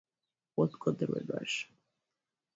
Both got the red rash.